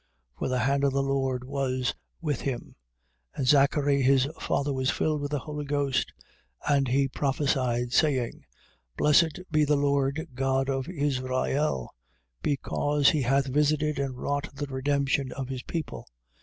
For the hand of the Lord was with him. 1:67. And Zachary his father was filled with the Holy Ghost. And he prophesied, saying: 1:68. Blessed be the Lord God of Israel: because he hath visited and wrought the redemption of his people.